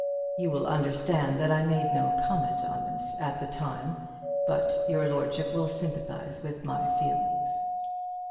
You will understand that I made no comment on this at the time, but your lordship will sympathize with my feelings.